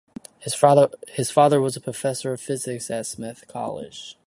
His father was a professor of physics at Smith College.